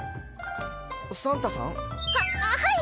サンタさん？ははい！